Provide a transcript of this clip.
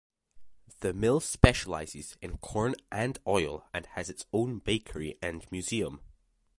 The mill specializes in corn and oil and has its own bakery and museum.